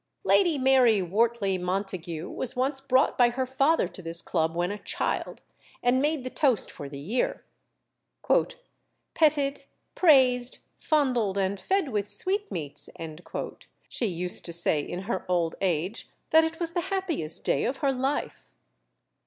Lady Mary Wortley Montagu was once brought by her father to this club when a child, and made the toast for the year. "Petted, praised, fondled, and fed with sweetmeats," she used to say in her old age that it was the happiest day of her life!